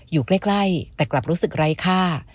อยู่ใกล้แต่กลับรู้สึกไร้ค่า